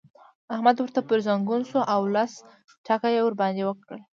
احمد ورته پر ځنګون شو او لس ټکه يې ور باندې وکړل.